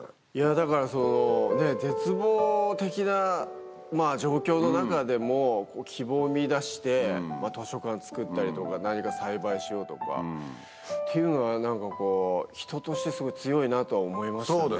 だからそのね絶望的な状況の中でも希望を見いだして図書館作ったりとか何か栽培しようとかっていうのは何かこう。とは思いましたね。